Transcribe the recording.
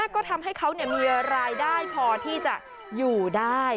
ก็ทำให้เขามีรายได้พอที่จะอยู่ได้